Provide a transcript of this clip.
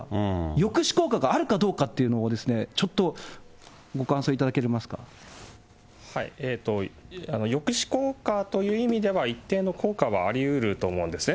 抑止効果があるかどうかというのを、ちょっとご感想いただけます抑止効果という意味では、一定の効果はありうると思うんですね。